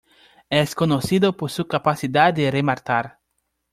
Es conocido por su capacidad de rematar.